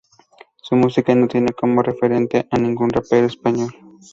Su música no tiene como referente a ningún rapero español.